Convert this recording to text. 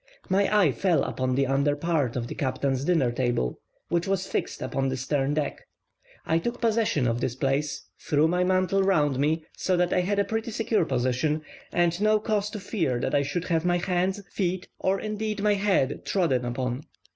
My eye fell upon the under part of the captain's dinner table, which was fixed upon the stern deck; I took possession of this place, threw my mantle round me, so that I had a pretty secure position, and no cause to fear that I should have my hands, feet, or indeed my head trodden upon.